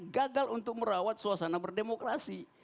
gagal untuk merawat suasana berdemokrasi